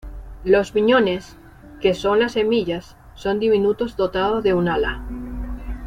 Los piñones, que son las semillas, son diminutos, dotados de un ala.